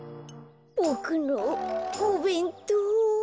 ボクのおべんとう。